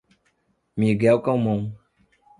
Miguel Calmon